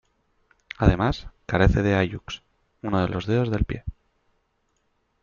Además, carece de hallux, uno de los dedos del pie.